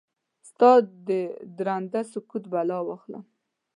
ستا ددرانده سکوت بلا واخلم؟